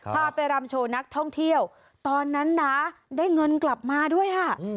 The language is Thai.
พาไปรำโชว์นักท่องเที่ยวตอนนั้นนะได้เงินกลับมาด้วยค่ะ